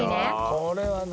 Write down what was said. これはね